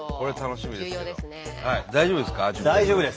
大丈夫です。